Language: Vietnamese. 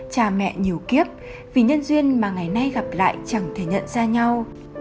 cha mẹ nhiều kiếp vì nhân duyên mà ngày nay gặp lại chẳng thể nhận ra nhau